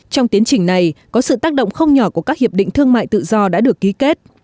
trong tiến trình này có sự tác động không nhỏ của các hiệp định thương mại tự do đã được ký kết